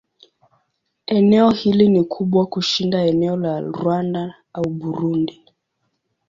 Eneo hili ni kubwa kushinda eneo la Rwanda au Burundi.